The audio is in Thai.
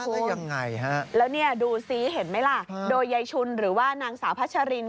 ใช่คุณแล้วนี่ดูสิเห็นไหมล่ะโดยยายชุนหรือว่านางสาวพัชริน